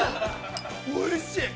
おいしい！